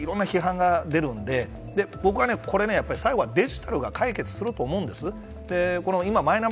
残ってしまうとまた、いろんな批判が出るんで僕はこれ、最後、デジタルが解決すると思うんです。